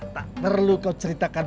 tak perlu kau ceritakan